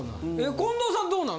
近藤さんどうなの？